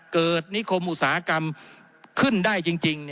นิคมอุตสาหกรรมขึ้นได้จริง